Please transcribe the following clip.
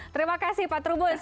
terima kasih pak trubus